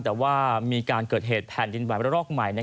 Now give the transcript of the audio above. แต่ว่ามีการเกิดเหตุแผ่นดินไหวระลอกใหม่